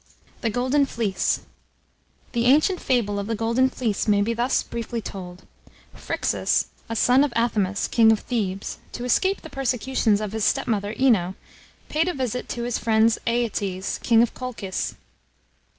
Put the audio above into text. THE GOLDEN FLEECE. The ancient fable of the Golden Fleece may be thus briefly told: Phryxus, a son of Athamus, king of Thebes, to escape the persecutions of his stepmother Ino, paid a visit to his friend Aeetes, king of Colchis.